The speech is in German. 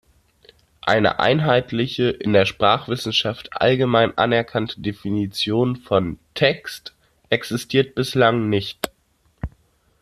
Eine einheitliche, in der Sprachwissenschaft allgemein anerkannte Definition von „Text“ existiert bislang nicht.